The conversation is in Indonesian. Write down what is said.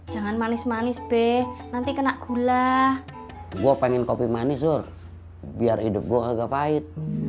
jangan manis manis be nanti kena gula gua pengen kopi manis sur biar hidup gua agak pahit